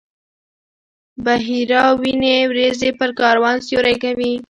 بحیرا ویني وریځې پر کاروان سیوری کوي.